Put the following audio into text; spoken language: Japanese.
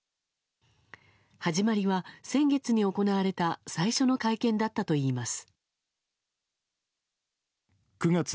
始まりは、先月に行われた最初の会見だったといいます。